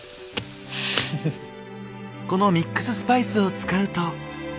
このミックススパイスを使うと。